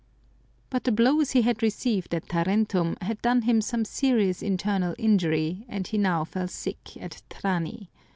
But the blows he had received at Tarentum had 194 Some Crazy Saints done him some serious internal injury, and he now fell sick at Trani.